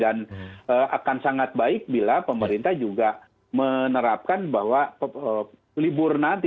dan akan sangat baik bila pemerintah juga menerapkan bahwa liburnah